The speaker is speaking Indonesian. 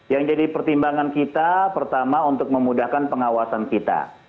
yang jadi pertimbangan kita pertama untuk memudahkan pengawasan kita